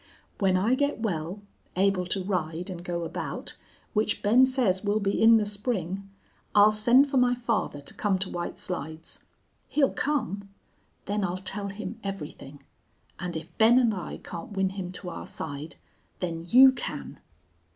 When I get well able to ride and go about, which Ben says will be in the spring I'll send for my father to come to White Slides. He'll come. Then I'll tell him everything, and if Ben and I can't win him to our side then you can.